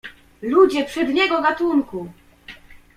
"Ludzie przedniego gatunku!"